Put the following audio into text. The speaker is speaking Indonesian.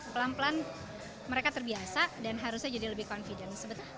pelan pelan mereka terbiasa dan harusnya jadi lebih confidence